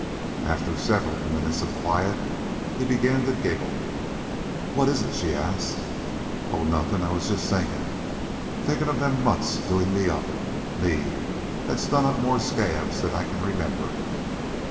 After several minutes of quiet, he began to giggle. "What is it?" she asked. "Oh, nothin'. I was just thinkin' thinking of them mutts doin' me up me, that's done up more scabs than I can remember."